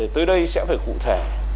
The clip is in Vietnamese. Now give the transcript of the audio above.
tới đây sẽ phải cụ thể